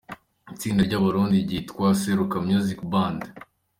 Itsinda ry'abarundi ryitwa Seruka Music Band.